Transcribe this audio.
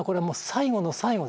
最後の最後。